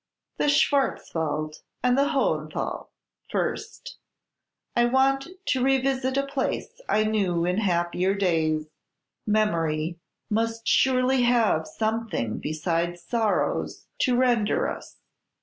"The Schwarzwald and the Hohlenthal, first. I want to revisit a place I knew in happier days. Memory must surely have something besides sorrows to render us.